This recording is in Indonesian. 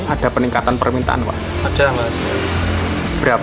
ada peningkatan permintaan ramadan seperti ini